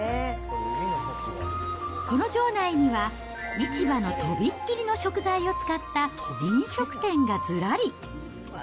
この場内には、市場の飛びっ切りの食材を使った、飲食店がずらり。